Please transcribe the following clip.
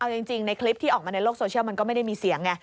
เอาจริงในคลิปที่ออกมาในโลกโซเชียลมันก็ไม่ได้มีเสียงไง